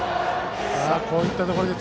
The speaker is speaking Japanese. こういったところです。